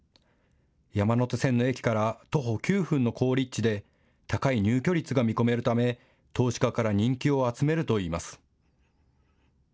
山手線の駅から徒歩９分の好立地で、高い入居率が見込めるため投資家から人気を集めるといいます。